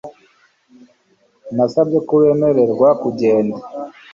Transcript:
Nasabye ko bemererwa kugenda